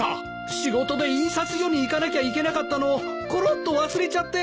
仕事で印刷所に行かなきゃいけなかったのをコロッと忘れちゃって。